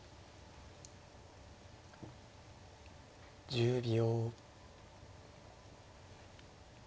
１０秒。